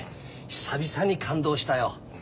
久々に感動したよ。